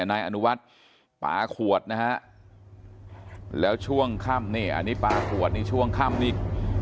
อันวัดปลาขวดนะฮะแล้วช่วงค่ำนี่อันนี้ปลาขวดช่วงค่ำนี่